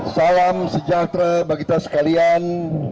salam sejahtera bagi kita sekalian